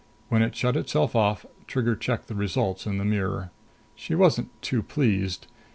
When it shut itself off, Trigger checked the results in the mirror. She wasn't too pleased.